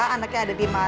anaknya ada di mana